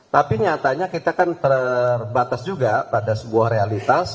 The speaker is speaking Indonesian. tapi nyatanya kita kan terbatas juga pada sebuah realitas